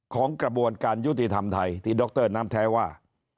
ของกระบวนการยุติธรรมไทยที่ดรน้ำแท้ว่า